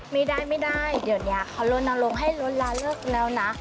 ไม่ได้เดี๋ยวนี้เขารณรงค์ให้ร้อนลาเลิกแล้วนะ